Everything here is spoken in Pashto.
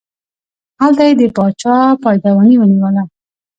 هلته یې د باچا پایدواني ونیوله.